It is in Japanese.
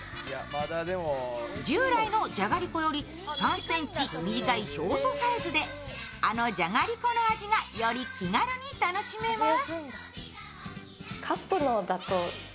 従来のじゃがりこより３ｃｍ短いショートサイズであのじゃがりこの味が、よる気軽に楽しめます。